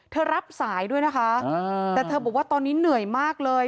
รับสายด้วยนะคะแต่เธอบอกว่าตอนนี้เหนื่อยมากเลย